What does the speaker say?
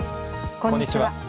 こんにちは。